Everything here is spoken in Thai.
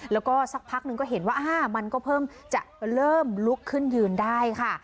แล้วก็สักพักนึงก็เห็นว่ามันก็เพิ่มจะเริ่มลุกขึ้นยืนได้ค่ะ